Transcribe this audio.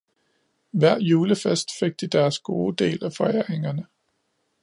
Hver julefest fik de deres gode del af foræringerne